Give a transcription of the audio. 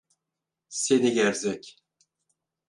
Seni gerzek!